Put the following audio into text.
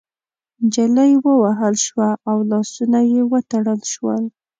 نجلۍ ووهل شوه او لاسونه يې وتړل شول.